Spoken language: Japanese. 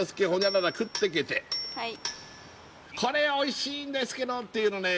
はいこれおいしいんですけどっていうのね